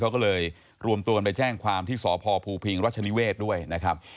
เขาก็เลยรวมตัวกันไปแจ้งความที่สพภูพิงรัชนิเวศด้วยนะครับ